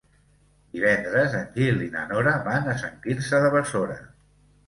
Divendres en Gil i na Nora van a Sant Quirze de Besora.